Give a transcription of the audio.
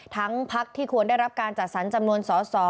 ทั้งภักดิ์ที่ควรได้รับการจัดสรรจำนวนสอ